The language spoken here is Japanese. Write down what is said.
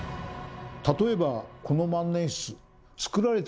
例えばこの万年筆。